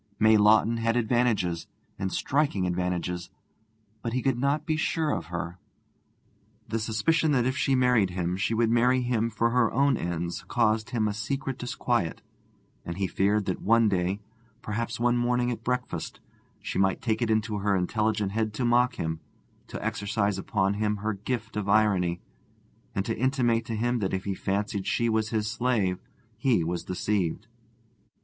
May Lawton had advantages, and striking advantages, but he could not be sure of her. The suspicion that if she married him she would marry him for her own ends caused him a secret disquiet, and he feared that one day, perhaps one morning at breakfast, she might take it into her intelligent head to mock him, to exercise upon him her gift of irony, and to intimate to him that if he fancied she was his slave he was deceived.